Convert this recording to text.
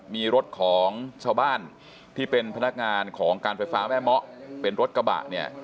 มีรถของชาวบ้านที่เป็นพนักงานของการไฟฟ้าแม่เมาะเป็นรถกระบะเนี่ย